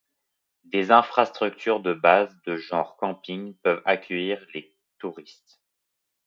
Des infrastructures de base de genre camping peuvent accueillir les touristes.